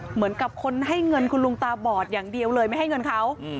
เหมือนกับคนให้เงินคุณลุงตาบอดอย่างเดียวเลยไม่ให้เงินเขา